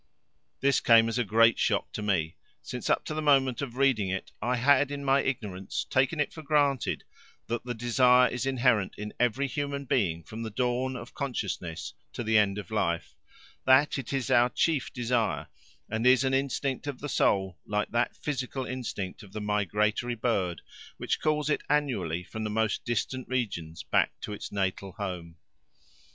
This came as a great shock to me, since up to the moment of reading it I had in my ignorance taken It for granted that the desire is inherent in every human being from the dawn of consciousness to the end of life, that it is our chief desire, and is an instinct of the soul like that physical instinct of the migratory bird which calls it annually from the most distant regions back to its natal home.